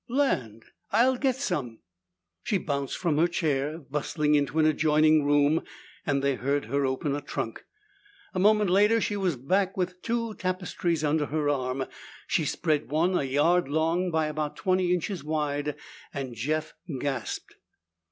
"Land! I'll get some." She bounced from her chair, bustled into an adjoining room, and they heard her open a trunk. A moment later she was back with two tapestries under her arm. She spread one, a yard long by about twenty inches wide, and Jeff gasped.